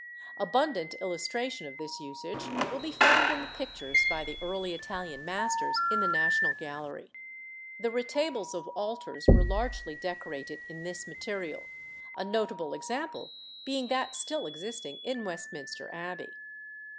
Abundant illustration of this usage will be found in the pictures by the early Italian masters in the National Gallery. The retables of altars were largely decorated in this material, a notable example being that still existing in Westminster Abbey.